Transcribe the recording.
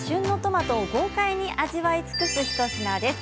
きょうは旬のトマトを豪快に味わい尽くす一品です。